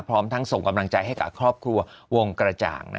พร้อมทั้งส่งกำลังใจให้กับครอบครัววงกระจ่าง